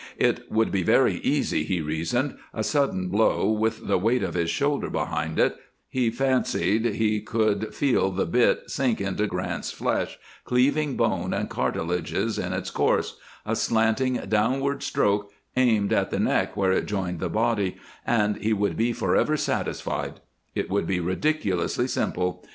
It would be very easy, he reasoned; a sudden blow, with the weight of his shoulders behind it he fancied he could feel the bit sink into Grant's flesh, cleaving bone and cartilages in its course a slanting downward stroke, aimed at the neck where it joined the body, and he would be forever satisfied. It would be ridiculously simple.